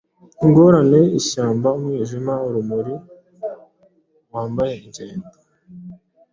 Ingorane, ishyamba, Umwijima, urumuri, wambaye ingendo,